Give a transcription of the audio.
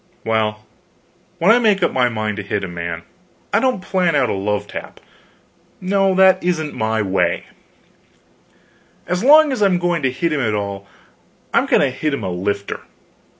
Well, when I make up my mind to hit a man, I don't plan out a love tap; no, that isn't my way; as long as I'm going to hit him at all, I'm going to hit him a lifter.